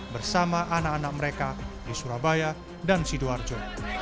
bersama anak anak mereka di surabaya dan sidoarjo